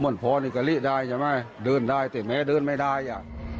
พ่อนี่กะลิได้ใช่ไหมเดินได้แต่แม้เดินไม่ได้อ่ะ